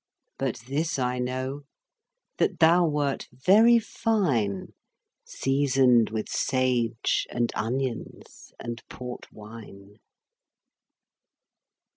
But this I know, that thou wert very fine, Seasoned with sage and onions and port wine.